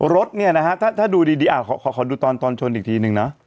รถเนี้ยนะฮะถ้าถ้าดูดีดีอ่าขอขอดูตอนตอนชนอีกทีหนึ่งนะ